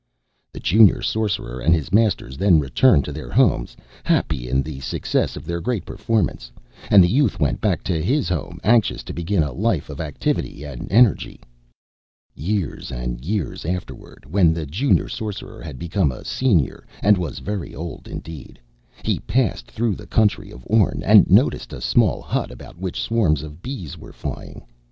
The Junior Sorcerer and his Masters then returned to their homes, happy in the success of their great performance; and the Youth went back to his home anxious to begin a life of activity and energy. Years and years afterward, when the Junior Sorcerer had become a Senior and was very old indeed, he passed through the country of Orn, and noticed a small hut about which swarms of bees were flying.